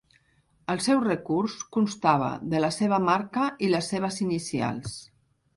El seu recurs constava de la seva marca i les seves inicials.